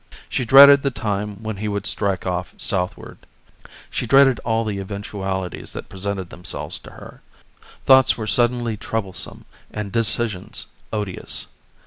She dreaded the time when he would strike off southward; she dreaded all the eventualities that presented themselves to her; thoughts were suddenly troublesome and decisions odious.